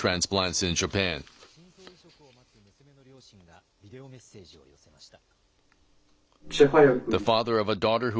重い心臓病のため、心臓移植を待つ娘の両親が、ビデオメッセージを寄せました。